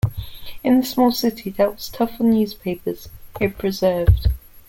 In a small city that was tough on newspapers, it persevered.